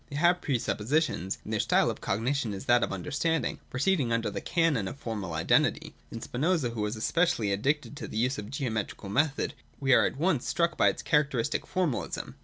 They have pre suppositions ; and their style of cognition is that of understanding, proceeding under the canon of formal identity. In Spinoza, who was especially ad dicted to the use of the geometrical method, we are at once struck by its characteristic formalism.